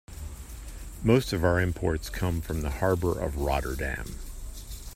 Most of our imports come from the harbor of Rotterdam.